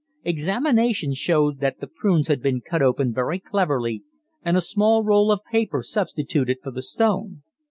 Examination showed that the prunes had been cut open very cleverly and a small roll of paper substituted for the stone.